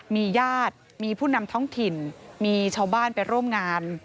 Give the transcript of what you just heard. มีญาติมีผู้นำท้องถิ่นมีชาวบ้านไปร่วมงาน